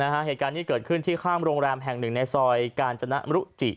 เหตุการณ์ที่เกิดขึ้นที่ข้างโรงแรมแห่งหนึ่งในซอยกาญจนมรุจิ